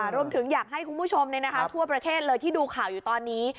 รวมถึงอยากให้คุณผู้ชมทั่วประเทศเลยที่ดูข่าวอยู่ตอนนี้